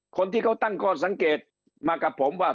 คนที่เขาตั้งข้อสังเกตมากับผมว่า